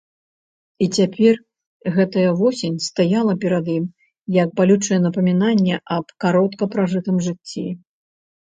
І цяпер гэтая восень стаяла перад ім, як балючае напамінанне аб коратка пражытым жыцці.